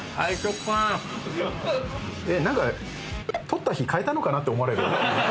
撮った日変えたのかなって思われる。